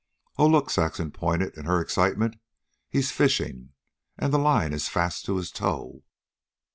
"Oh! Look!" Saxon pointed in her excitement. "He's fishing! And the line is fast to his toe!"